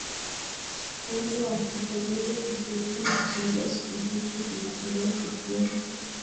uwezo wa sekta zote kushiriki na kuchangia suluhisho kujitolea kisiasa